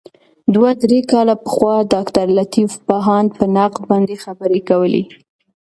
دوه درې کاله پخوا ډاګټرلطیف بهاند په نقد باندي خبري کولې.